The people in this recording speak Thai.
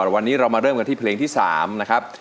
วันนี้เรามาเริ่มกันที่เพลงที่๓นะครับ